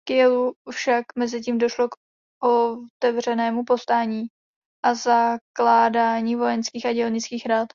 V Kielu však mezitím došlo k otevřenému povstání a zakládání vojenských a dělnických rad.